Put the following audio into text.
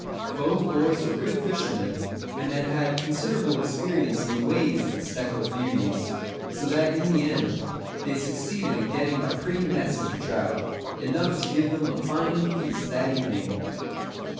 Both boys were good fishermen, and had had considerable experience in the ways of the speckled beauties; so that in the end they succeeded in getting a pretty mess of the trout, enough to give them a fine feast that evening.